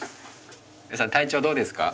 体調どうですか？